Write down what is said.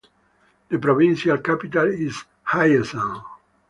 The provincial capital is Hyesan.